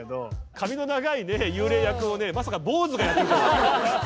髪の長いね幽霊役をねまさか坊主がやってるとは。